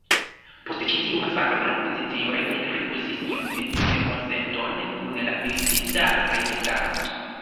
Post ĉi tiu masakro la opozicio regule rifuzis iun interkonsenton kun la militista registaro.